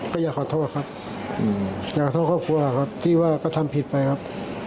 ก็อยากขอโทษครับอยากขอโทษครอบครัวครับที่ว่าก็ทำผิดไปครับ